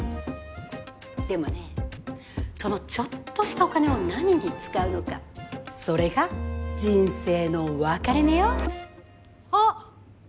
でもねそのちょっとしたお金を何に使うのかそれが人生の分かれ目よ。